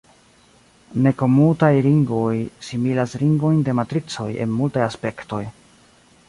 Ne-komutaj ringoj similas ringojn de matricoj en multaj aspektoj.